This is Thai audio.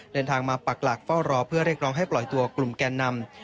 เดินทางมาปักหลักเฝ้ารอเพื่อเรียกร้องให้ปล่อยตัวกลุ่มแกนนำ